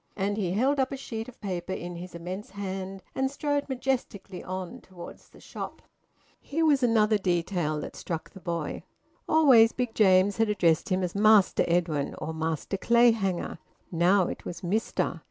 And he held up a sheet of paper in his immense hand, and strode majestically on towards the shop. Here was another detail that struck the boy. Always Big James had addressed him as `Master Edwin' or `Master Clayhanger.' Now it was `Mister.'